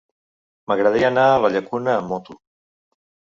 M'agradaria anar a la Llacuna amb moto.